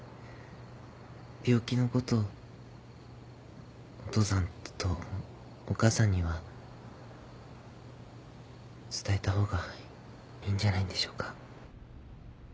病気のことをお父さんとお母さんには伝えたほうがいいんじゃないんでしょうか。